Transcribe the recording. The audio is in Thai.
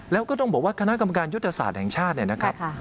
แล้วก็ต้องบอกว่าคณะกรรมการยุทธศาสตร์แห่งชาติเนี่ยนะครับ